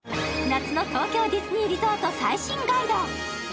夏の東京ディズリゾート最新ガイド。